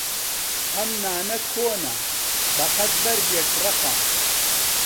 ئەم نانە کۆنە بەقەد بەردێک ڕەقە.